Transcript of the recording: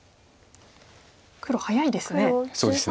黒早いですね。